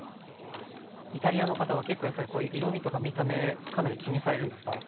イタリアの方は結構やっぱりこういう色みとか見た目かなり気にされるんですか？